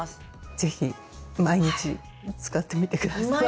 ぜひ毎日使ってみて下さい。